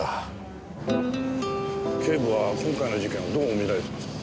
警部は今回の事件をどう見られてますか？